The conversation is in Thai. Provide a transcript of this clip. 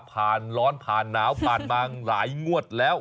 ผันร้อนผ่านน้าวผ่านบางหลายงวดแล้ว